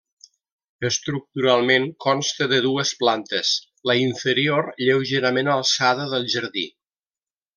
Estructuralment consta de dues plantes, la inferior lleugerament alçada del jardí.